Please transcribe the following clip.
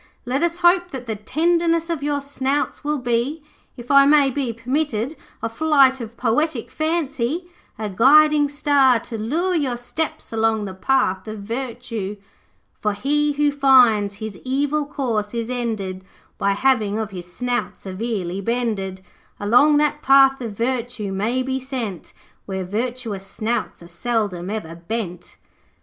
Let us hope that the tenderness of your snouts will be, if I may be permitted a flight of poetic fancy, a guiding star to lure your steps along the path of virtue 'For he who finds his evil course is ended By having of his snout severely bended, Along that path of virtue may be sent Where virtuous snouts are seldom ever bent.'